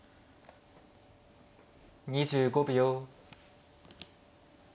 ２５秒。